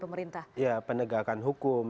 pemerintah ya penegakan hukum